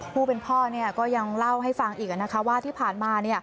ผู้เป็นพ่อก็ยังเล่าให้ฟังอีกว่าที่ผ่านมา